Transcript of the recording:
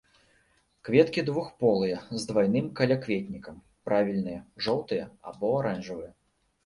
Кветкі двухполыя, з двайным калякветнікам, правільныя, жоўтыя або аранжавыя.